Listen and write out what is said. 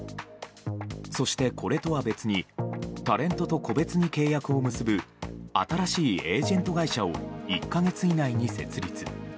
そして、これとは別にタレントと個別に契約を結ぶ新しいエージェント会社を１か月以内に設立。